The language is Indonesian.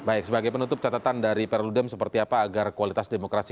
baik sebagai penutup catatan dari perludem seperti apa agar kualitas demokrasi